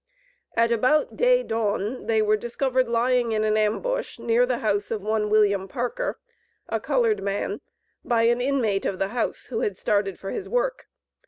At about day dawn they were discovered lying in an ambush near the house of one William Parker, a colored man, by an inmate of the house, who had started for his work.